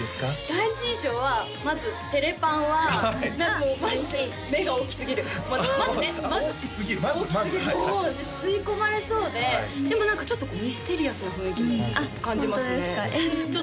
第一印象はまずてれぱんは何かもうまず目が大きすぎるまずねまず大きすぎるまずまずもうね吸い込まれそうででも何かちょっとこうミステリアスな雰囲気も感じますねあっ